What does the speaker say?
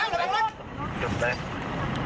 อยู่ไหนทุกคน